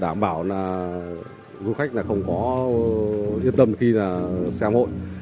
đảm bảo là du khách không có yên tâm khi xem hội